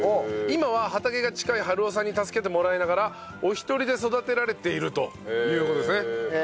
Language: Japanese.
今は畑が近い治夫さんに助けてもらいながらお一人で育てられているという事ですね。